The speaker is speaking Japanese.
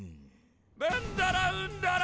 ベンダラウンダラ。